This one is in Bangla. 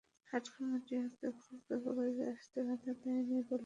হাট কমিটি অধ্যক্ষকে কলেজে আসতে বাধা দেয়নি বলেও দাবি করেন তিনি।